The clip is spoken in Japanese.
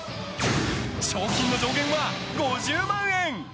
賞金の上限は５０万円。